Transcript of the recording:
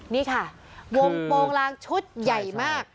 นี่ค่ะวงโปรงลางชุดใหญ่มาก